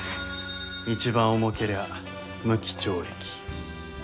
一番重けりゃ無期懲役。